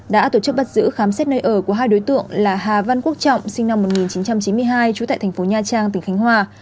đã tổ chức bắt giữ khám xét nơi ở của hai đối tượng là hà văn quốc trọng sinh năm một nghìn chín trăm chín mươi hai trú tại thành phố nha trang tỉnh khánh hòa